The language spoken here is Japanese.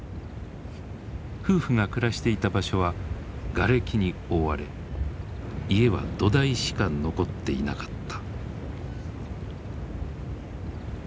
夫婦が暮らしていた場所はがれきに覆われ家は土台しか残っていなかった。